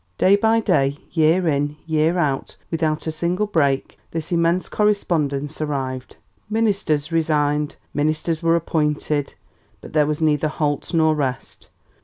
Day by day, year in, year out, without a single break, this immense correspondence arrived. Ministers resigned and ministers were appointed, but there was neither halt nor rest.